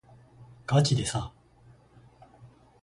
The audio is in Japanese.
がちでさ